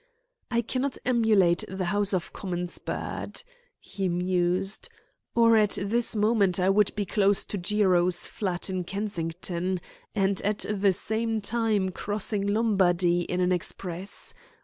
"I cannot emulate the House of Commons bird," he mused, "or at this moment I would be close to Jiro's flat in Kensington, and at the same time crossing Lombardy in an express.